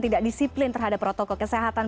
tidak disiplin terhadap protokol kesehatan